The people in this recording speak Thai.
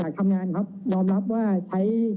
เรามีการปิดบันทึกจับกลุ่มเขาหรือหลังเกิดเหตุแล้วเนี่ย